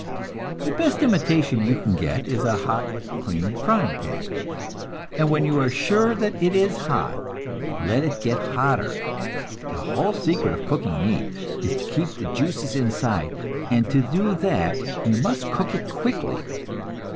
The best imitation you can get is a hot, clean frying pan; and when you are sure that it is hot, let it get hotter. The whole secret of cooking meat is to keep the juices inside, and to do that you must cook it quickly.